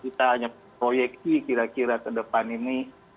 kita hanya proyeksi kira kira ke depannya gitu ya